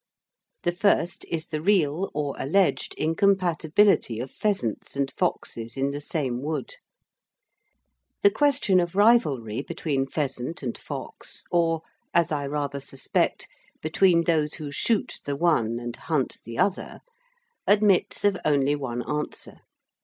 The first is the real or alleged incompatibility of pheasants and foxes in the same wood. The question of rivalry between pheasant and fox, or (as I rather suspect) between those who shoot the one and hunt the other, admits of only one answer.